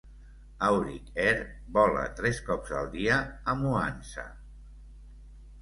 Auric Air vola tres cops al dia a Mwanza.